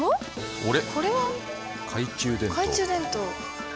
あれ？